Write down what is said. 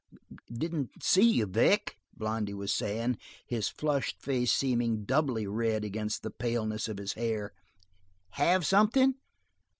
"Didn't see you, Vic," Blondy was saying, his flushed face seeming doubly red against the paleness of his hair. "Have something?"